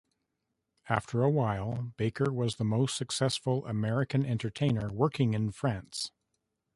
After a while, Baker was the most successful American entertainer working in France.